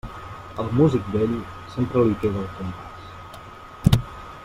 Al músic vell, sempre li queda el compàs.